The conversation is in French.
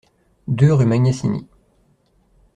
deux rue Magnassini